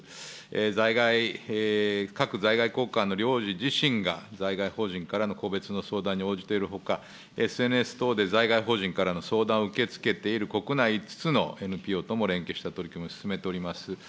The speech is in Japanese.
在外、各在外公館の領事自身が、在外邦人からの個別の相談に応じているほか、ＳＮＳ等で在外邦人からの相談を受け付けている国内のＮＰＯともしております。